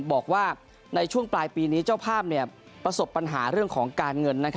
บอกว่าในช่วงปลายปีนี้เจ้าภาพประสบปัญหาเรื่องของการเงิน